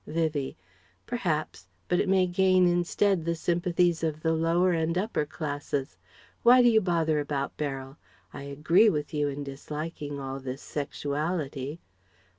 Vivie: "Perhaps. But it may gain instead the sympathies of the lower and the upper classes. Why do you bother about Beryl? I agree with you in disliking all this sexuality..."